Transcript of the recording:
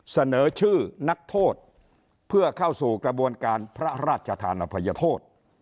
เสนอชื่อนักโทษเพื่อเข้าสู่กระบวนการพระราชธานภัยโทษ